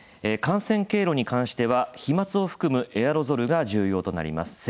感染経路に関しては飛まつなどのエアロゾルが重要となります。